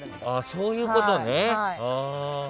そういうことね。